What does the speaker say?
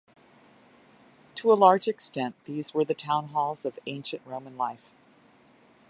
To a large extent these were the town halls of ancient Roman life.